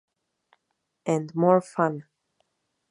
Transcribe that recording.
And more fun.